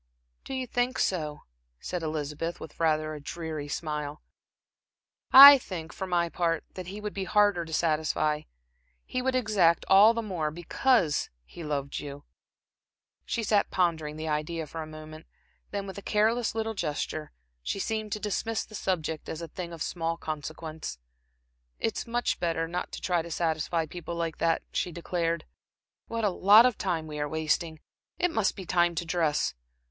"Do you think so?" said Elizabeth, with rather a dreary smile. "I think, for my part, that he would be harder to satisfy, he would exact all the more, because he loved you." She sat pondering the idea for a moment, then with a careless little gesture, she seemed to dismiss the subject as a thing of small consequence. "It's much better not to try to satisfy people like that," she declared. "What a lot of time we are wasting! It must be time to dress."